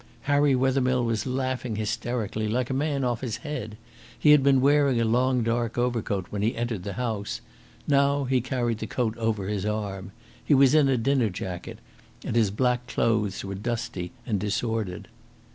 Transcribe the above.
Harry Wethermill was laughing hysterically, like a man off his head. He had been wearing a long dark overcoat when he entered the house; now he carried the coat over his arm. He was in a dinner jacket, and his black clothes were dusty and disordered.